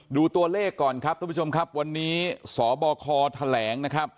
ดูตัวเลขก่อนวันนี้สบคแถลง